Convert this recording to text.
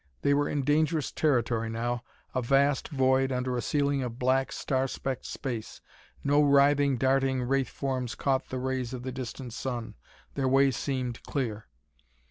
They were in dangerous territory now a vast void under a ceiling of black, star specked space. No writhing, darting wraith forms caught the rays of the distant sun. Their way seemed clear.